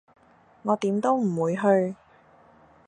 我點都唔會去